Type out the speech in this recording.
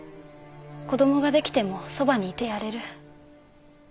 子どもが出来てもそばにいてやれる。